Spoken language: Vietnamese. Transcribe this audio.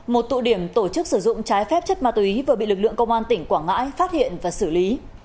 một tụ điểm tổ chức sử dụng trái phép chất ma túy vừa bị lực lượng công an tỉnh quảng ngãi phát hiện và xử lý